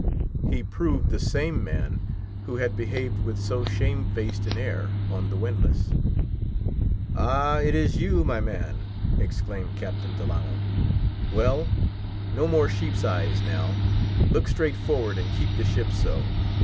He proved the same man who had behaved with so shame faced an air on the windlass. "Ah,—it is you, my man," exclaimed Captain Delano—"well, no more sheep's eyes now;—look straight forward and keep the ship so.